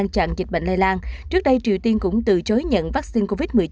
chẳng dịch bệnh lây lan trước đây triều tiên cũng từ chối nhận vắc xin covid một mươi chín